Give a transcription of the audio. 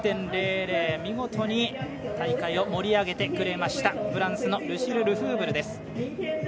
見事に大会を盛り上げてきましたフランスのルシル・ルフーブルです。